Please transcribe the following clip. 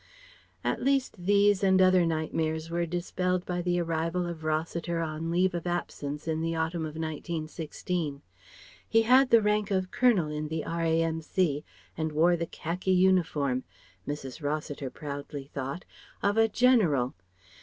At last these and other nightmares were dispelled by the arrival of Rossiter on leave of absence in the autumn of 1916. He had the rank of Colonel in the R.A.M.C., and wore the khaki uniform Mrs. Rossiter proudly thought of a General.